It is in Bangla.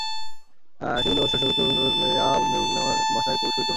সেগুলি শশব্যস্তে সারিয়া লইয়া পিতাকে নিকটবর্তী উকিলের বাসায় প্রবেশ করিতে অনুরোধ করিলেন।